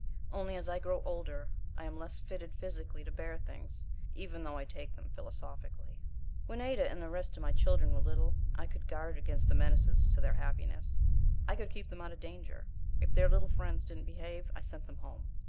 Only as I grow older I am less fitted physically to bear things, even though I take them philosophically. When Ada and the rest of my children were little, I could guard against the menaces to their happiness; I could keep them out of danger; if their little friends didn't behave, I sent them home.